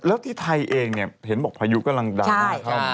แล้วที่ไทยเองเนี่ยเห็นบอกพายุกำลังดราม่าเข้ามา